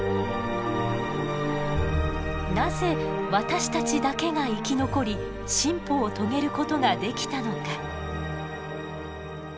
なぜ私たちだけが生き残り進歩を遂げることができたのか？